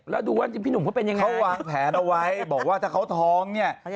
เรารวมแผนเอาไว้